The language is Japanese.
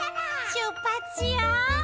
「しゅっぱつしよう！」